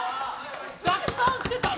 雑談してた？